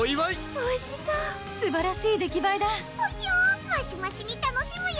おいしそうすばらしい出来ばえだほひょマシマシに楽しむよ！